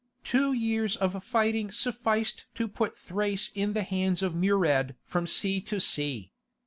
Two years of fighting sufficed to put Thrace in the hands of Murad from sea to sea.